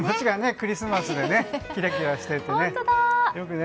クリスマスでねキラキラしているね。